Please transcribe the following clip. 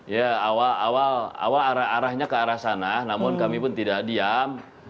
ya awal awal arahnya ke arah sana namun kami pun tidak diam